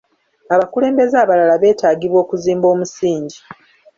Abakulembeze abalala beetaagibwa okuzimba omusingi.